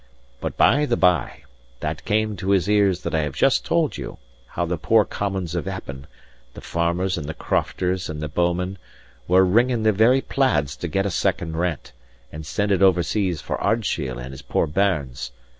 But by and by, that came to his ears that I have just told you; how the poor commons of Appin, the farmers and the crofters and the boumen, were wringing their very plaids to get a second rent, and send it over seas for Ardshiel and his poor bairns.